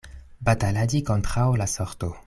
Bataladi kontraŭ la sorto.